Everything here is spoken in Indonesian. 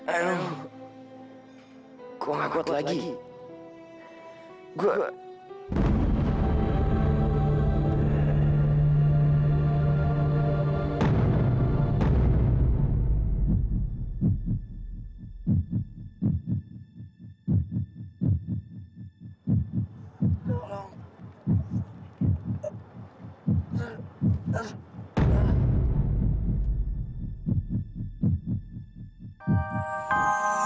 aduh gua gak kuat lagi gua